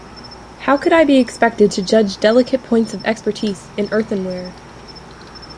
How could I be expected to judge delicate points of expertise in earthenware?